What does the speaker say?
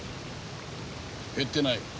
減ってない。